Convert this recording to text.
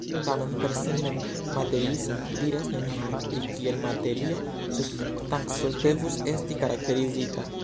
Tamen, per si mem materiismo diras nenion pri kiel materia substanco devus esti karakterizita.